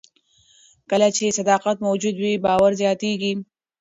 کله چې صداقت موجود وي، باور زیاتېږي.